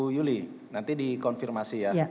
saya menyampaikan gitu ke bu yuli nanti dikonfirmasi ya